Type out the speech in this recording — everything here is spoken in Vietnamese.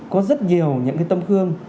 có rất nhiều những tấm gương